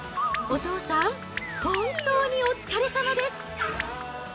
お父さん、本当にお疲れさまです。